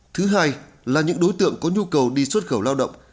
thứ hai là những đối tượng có nhu cầu đi xuất khẩu lao động